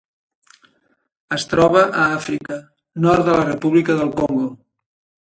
Es troba a Àfrica: nord de la República del Congo.